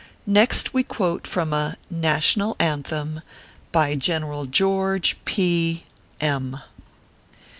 Next we quote from a NATIONAL ANTHEM BY GEN. GEORGE P. M